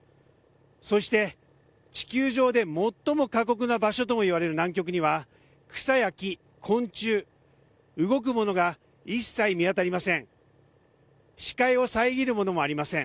そして地球上で最も過酷な場所ともいわれる南極には草や木、昆虫動くものが一切見当たりません。